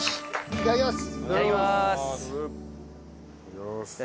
いただきます。